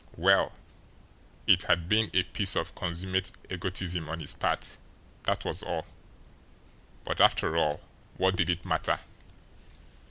Well, it had been a piece of consummate egotism on his part, that was all. But, after all, what did it matter?